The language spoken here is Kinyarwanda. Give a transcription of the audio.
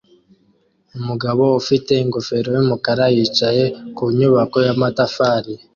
Umugabo ufite ingofero yumukara yicaye ku nyubako yamatafari